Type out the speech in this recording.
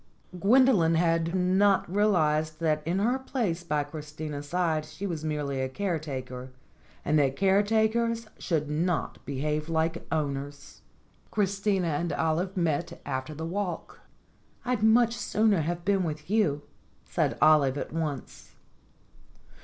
Gwendolen had not 120 STORIES WITHOUT TEARS realized that in her place by Christina's side she was merely a caretaker, and that caretakers should not behave like owners. Christina and Olive met after the walk. "I'd much sooner have been with you," said Olive at once.